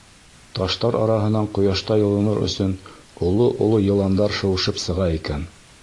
Таштар араһынан ҡояшта йылыныр өсөн оло-оло йыландар шыуышып сыға икән.